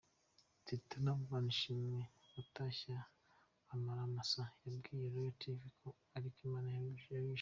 Stella Manishimwe watashye amaramasa yabwiye Royal Tv ko ariko Imana yabishimye.